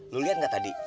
lo liat gak tadi